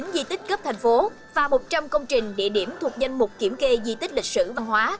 một trăm một mươi chín di tích cấp thành phố và một trăm linh công trình địa điểm thuộc danh mục kiểm kê di tích lịch sử văn hóa